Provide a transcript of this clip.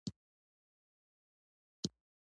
په محبت کې سر شیندل خوږ دي.